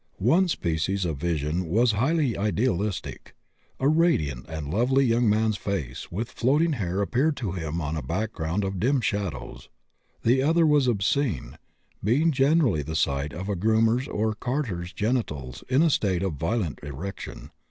One species of vision was highly idealistic; a radiant and lovely young man's face with floating hair appeared to him on a background of dim shadows. The other was obscene, being generally the sight of a groom's or carter's genitals in a state of violent erection.